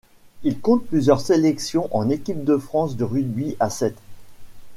Il compte plusieurs sélections en équipe de France de rugby à sept.